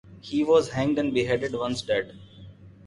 He was hanged and beheaded once dead.